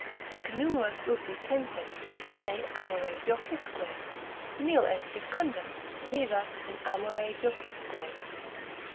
Si Numerus uti censet sine amore jocisque, Nil est jucundum, vivas in amore jocisque.